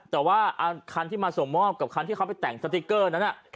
แต่ว่าคันที่มาส่งมอบกับคันที่เขาไปแต่งสติ๊กเกอร์นั้น